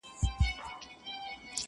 له هر یوه سره د غلو ډلي غدۍ وې دلته!!